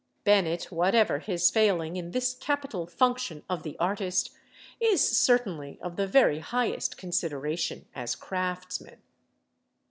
Bennett, whatever his failing in this capital function of the artist, is certainly of the very highest consideration as craftsman.